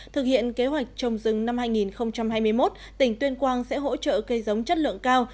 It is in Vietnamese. thực hiện kế hoạch trồng rừng năm hai nghìn hai mươi một tỉnh tuyên quang sẽ hỗ trợ cây giống chất lượng cao